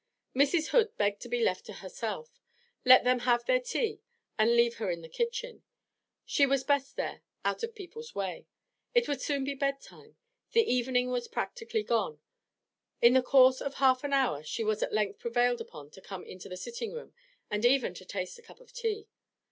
Mrs. Hood begged to be left to herself; let them have their tea and leave her in the kitchen, she was best there, out of people's way; it would soon be bedtime, the evening was practically gone. In the course of half an hour she was at length prevailed upon to come into the sitting room, and even to taste a cup of tea.